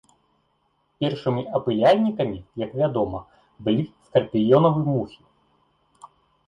Першымі апыляльнікамі, як вядома, былі скарпіёнавы мухі.